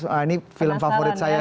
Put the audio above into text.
wah ini film favorit saya